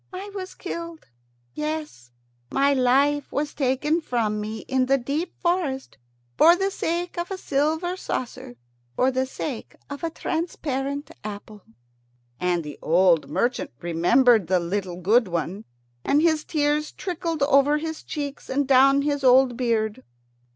I was killed yes, my life was taken from me in the deep forest for the sake of a silver saucer, for the sake of a transparent apple." And the old merchant remembered the little good one, and his tears trickled over his cheeks and down his old beard.